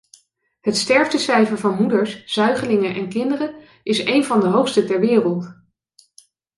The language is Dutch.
Het sterftecijfer van moeders, zuigelingen en kinderen is een van de hoogste ter wereld.